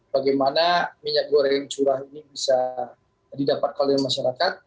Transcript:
bagaimana minyak goreng curah ini bisa didapatkan oleh masyarakat